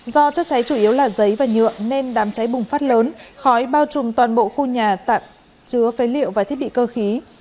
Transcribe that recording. do chất cháy chủ yếu là giấy và nhựa nên đám cháy bùng phát lớn khói bao trùm toàn bộ khu nhà tạm chứa phế liệu và thiết bị cơ khí